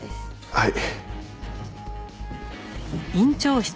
はい。